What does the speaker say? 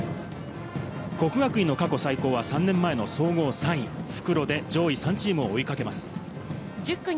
國學院の過去最高は３年前の総合３位、復路で上位３チーム、追いかけます。